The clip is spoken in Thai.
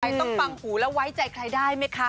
ต้องฟังหูแล้วไว้ใจใครได้ไหมคะ